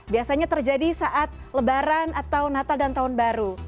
biasanya terjadi saat lebaran atau natal dan tahun baru